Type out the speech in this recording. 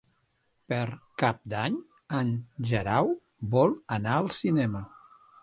Per Cap d'Any en Guerau vol anar al cinema.